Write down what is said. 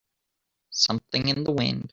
Something in the wind